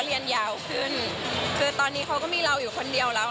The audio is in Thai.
เรียนยาวขึ้นคือตอนนี้เขาก็มีเราอยู่คนเดียวแล้ว